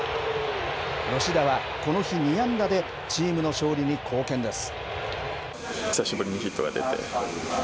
吉田はこの日２安打で、チームの勝利に貢献です。